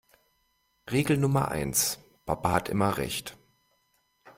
Regel Nummer eins: Papa hat immer Recht.